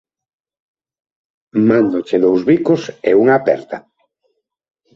Mándoche dous bicos e unha aperta